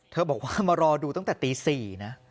บอกว่ามารอดูตั้งแต่ตี๔นะ